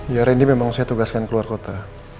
ya rendy memang saya tugaskan keluar kota